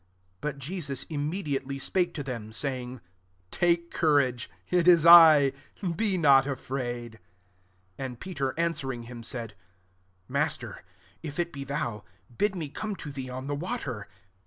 27 But Jesus ysfkr mediately spake to them, s^ ing, " Take courage : it is I ; be not afraid.'' 28 And Peter answering him, said, '' Master^ if it be thou, bid me come, to thee on the water."